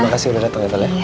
makasih udah dateng ya feli